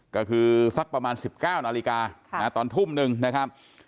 ก็คือสักประมาณ๑๙นาฬิกาตอนทุ่มหนึ่งนะครับ